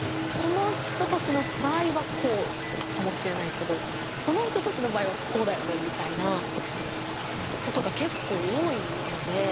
この人たちの場合はこうかもしれないけどこの人たちの場合はこうだよねみたいなことが結構多いので。